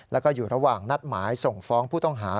แล้วก็อยู่ระหว่างนัดหมายส่งฟ้องผู้ต้องหา